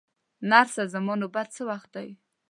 نرسه، زما نوبت څه وخت دی؟